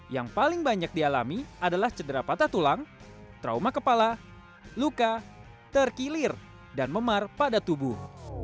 yang paling banyak dialami adalah cedera patah tulang trauma kepala luka terkilir dan memar pada tubuh